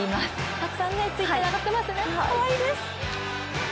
たくさんＴｗｉｔｔｅｒに上がっていましたね、かわいいです